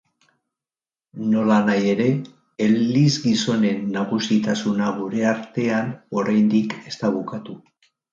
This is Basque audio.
Nolanahi ere, elizgizonen nagusitasuna gure artean oraindik ez da bukatu.